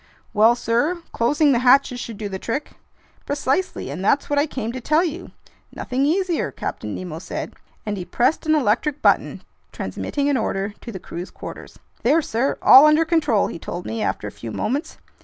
"Well, sir, closing the hatches should do the trick." "Precisely, and that's what I came to tell you—" "Nothing easier," Captain Nemo said. And he pressed an electric button, transmitting an order to the crew's quarters. "There, sir, all under control!" he told me after a few moments.